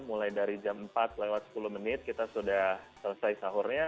mulai dari jam empat lewat sepuluh menit kita sudah selesai sahurnya